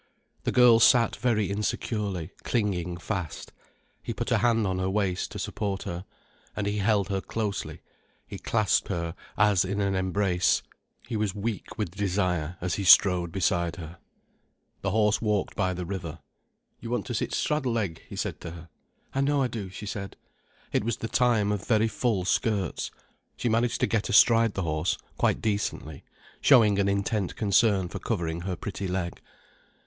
The girl sat very insecurely, clinging fast. He put a hand on her waist, to support her. And he held her closely, he clasped her as in an embrace, he was weak with desire as he strode beside her. The horse walked by the river. "You want to sit straddle leg," he said to her. "I know I do," she said. It was the time of very full skirts. She managed to get astride the horse, quite decently, showing an intent concern for covering her pretty leg.